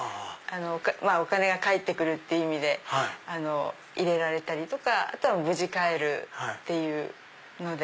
お金が帰ってくるって意味で入れられたりとかあとは無事帰るっていうので。